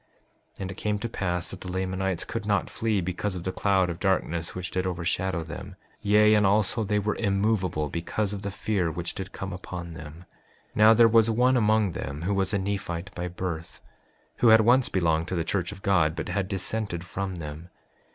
5:34 And it came to pass that the Lamanites could not flee because of the cloud of darkness which did overshadow them; yea, and also they were immovable because of the fear which did come upon them. 5:35 Now there was one among them who was a Nephite by birth, who had once belonged to the church of God but had dissented from them.